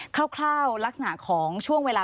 คร่าวลักษณะของช่วงเวลา